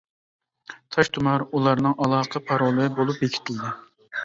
«تاش تۇمار» ئۇلارنىڭ ئالاقە پارولى بولۇپ بېكىتىلدى.